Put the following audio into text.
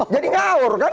jadi ngaur kan